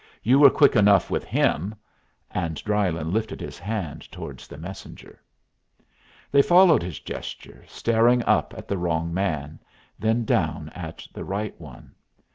"You were quick enough with him." And Drylyn lifted his hand towards the messenger. They followed his gesture, staring up at the wrong man, then down at the right one.